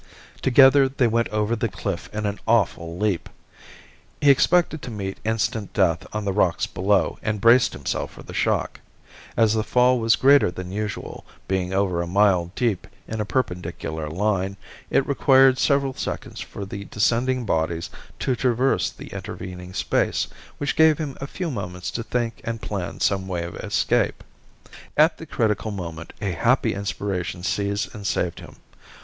Together they went over the cliff in an awful leap. He expected to meet instant death on the rocks below and braced himself for the shock. As the fall was greater than usual, being over a mile deep in a perpendicular line, it required several seconds for the descending bodies to traverse the intervening space, which gave him a few moments to think and plan some way of escape. At the critical moment a happy inspiration seized and saved him.